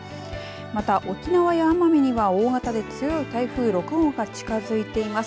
また沖縄や奄美には大型で強い台風６号が近づいています。